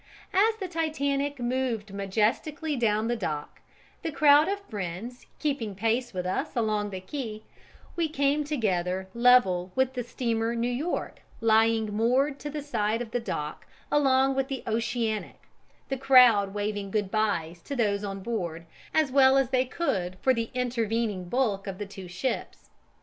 As the Titanic moved majestically down the dock, the crowd of friends keeping pace with us along the quay, we came together level with the steamer New York lying moored to the side of the dock along with the Oceanic, the crowd waving "good byes" to those on board as well as they could for the intervening bulk of the two ships.